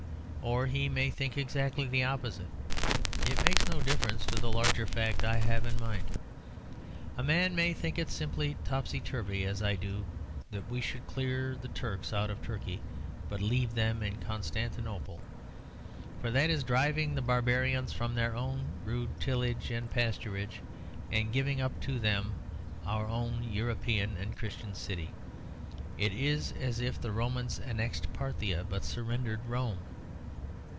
Or he may think exactly the opposite; it makes no difference to the larger fact I have in mind. A man may think it simply topsy turvy, as I do, that we should clear the Turks out of Turkey, but leave them in Constantinople. For that is driving the barbarians from their own rude tillage and pasturage, and giving up to them our own European and Christian city; it is as if the Romans annexed Parthia but surrendered Rome.